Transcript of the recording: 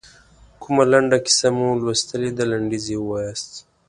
کومه لنډه کیسه مو لوستلې ده لنډیز یې ووایاست.